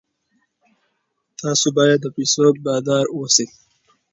تاسو باید د پیسو بادار اوسئ.